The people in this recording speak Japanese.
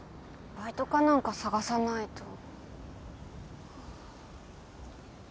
バイトか何か探さないと。